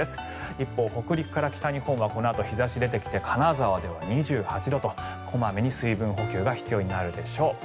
一方、北陸から北日本はこのあと日差しが出てきて金沢では２８度と小まめに水分補給が必要になるでしょう。